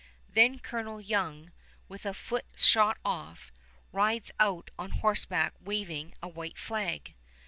Then Colonel Young, with a foot shot off, rides out on horseback waving a white flag.